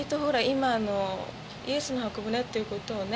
今あのイエスの方舟っていうことをね